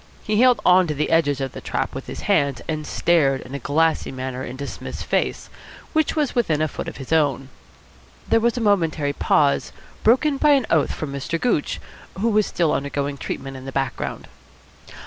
He held on to the edges of the trap with his hands, and stared in a glassy manner into Psmith's face, which was within a foot of his own. There was a momentary pause, broken by an oath from Mr. Gooch, who was still undergoing treatment in the background.